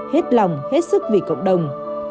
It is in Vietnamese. hết lòng hết sức vì cộng đồng